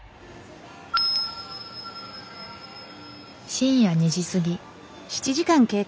深夜２時過ぎ。